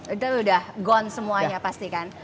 itu udah gon semuanya pasti kan